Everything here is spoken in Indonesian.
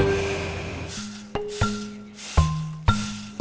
ayo kasih hannah sensitif burke